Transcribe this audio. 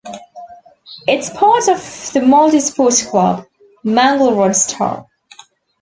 It's part of the multi-sport club Manglerud Star.